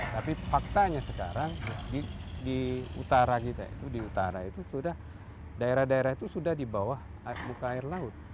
tapi faktanya sekarang di utara kita itu di utara itu sudah daerah daerah itu sudah di bawah muka air laut